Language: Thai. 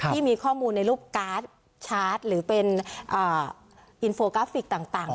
ที่มีข้อมูลในรูปการ์ดชาร์จหรือเป็นอินโฟกราฟิกต่าง